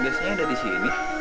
biasanya ada di sini